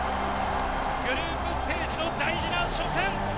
グループステージの大事な初戦